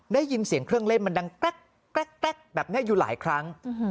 ได้ยินเสียงเครื่องเล่นมันดังแกรกแบบนี้อยู่หลายครั้ง